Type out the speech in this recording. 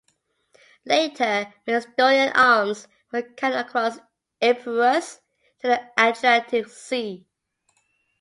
Later, Macedonian arms were carried across Epirus to the Adriatic Sea.